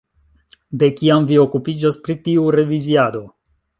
De kiam vi okupiĝas pri tiu reviziado?